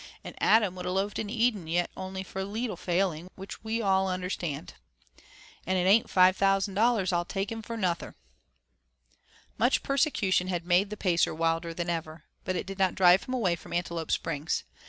An' Adam would a loafed in Eden yit it ony for a leetle failing, which we all onder stand. An' it aint $5,000 I'll take for him nuther." Much persecution had made the Pacer wilder than ever. But it did not drive him away from Antelope Springs.